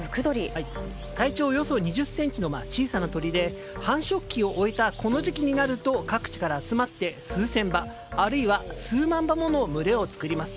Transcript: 体長およそ２０ｃｍの小さな鳥で繁殖期を終えたこの時期になると各地から集まって数千羽、あるいは数万羽もの群れを作ります。